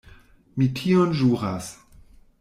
Mi tion ĵuras.